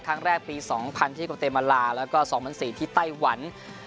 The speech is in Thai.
ครั้งแรกปี๒๐๐ที่โกเตมาลาแล้วก็๒๐๐๔ที่ไต้หวัน